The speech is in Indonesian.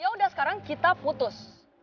yaudah sekarang kita putus